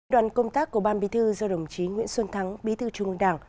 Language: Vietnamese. đoàn công tác của ban bí thư do đồng chí nguyễn xuân thắng bí thư trung ương đảng